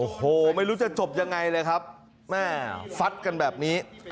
โอ้โหไม่รู้จะจบยังไงเลยครับแม่ฟัดกันแบบนี้